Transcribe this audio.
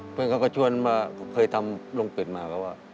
เพื่อนเขาก็ชวนว่าเคยทำลงเป็ดมาก็ว่า